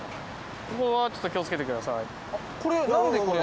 ここはちょっと気をつけてください。